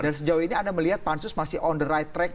dan sejauh ini anda melihat pansus masih on the right track